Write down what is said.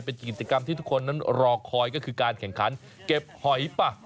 เป็นกิจกรรมที่ทุกคนนั้นรอคอยก็คือการแข่งขันเก็บหอยป่ะ